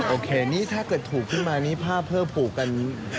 โอเคนี่ถ้าเกิดถูกขึ้นมานี่ผ้าเพิ่มปลูกกัน